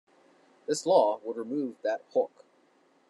This law would remove that hook.